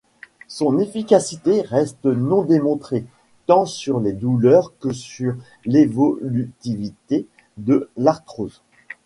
Son efficacité reste non démontrée, tant sur les douleurs que sur l'évolutivité de l'arthrose.